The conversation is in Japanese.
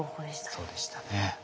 そうでしたね。